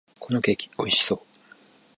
このケーキ、美味しそう！